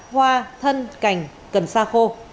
hoa thân cành cần xa khô